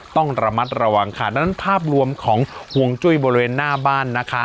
ต้องระมัดระวังค่ะดังนั้นภาพรวมของห่วงจุ้ยบริเวณหน้าบ้านนะคะ